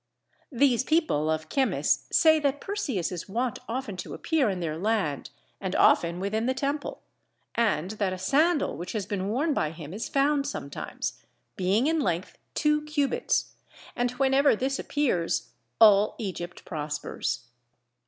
These people of Chemmis say that Perseus is wont often to appear in their land and often within the temple, and that a sandal which has been worn by him is found sometimes, being in length two cubits, and whenever this appears all Egypt prospers.